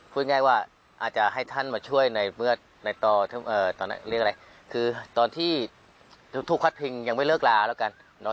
พูดง่ายว่าอาจจะให้ท่านมาช่วยในเมื่อตอนที่ถูกพัดพิงยังไม่เลือกลาแล้วกัน